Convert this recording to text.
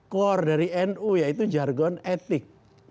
core dari nu yaitu jargon etik